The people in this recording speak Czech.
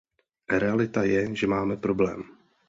Realita je, že máme problém.